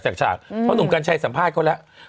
ฉากเพราะหนุ่มกัญชัยสัมภาษณ์เขาแล้ว